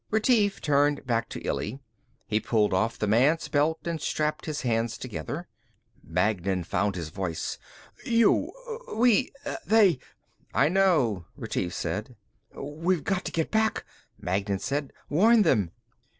Retief turned back to Illy. He pulled off the man's belt and strapped his hands together. Magnan found his voice. "You.... we.... they...." "I know," Retief said. "We've got to get back," Magnan said, "Warn them!"